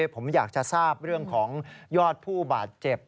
ผมอยากจะทราบเรื่องของยอดผู้บาดเจ็บ